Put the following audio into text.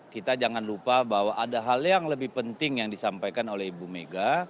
kita jangan lupa bahwa ada hal yang lebih penting yang disampaikan oleh ibu mega